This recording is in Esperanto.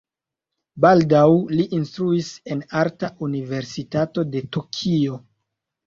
Baldaŭ li instruis en Arta Universitato de Tokio.